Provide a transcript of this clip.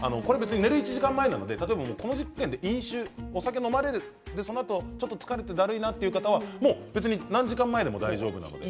寝る１時間前なのでこの時点でお酒を飲まれるこのあと疲れてだるいという方は何時間前でも大丈夫です。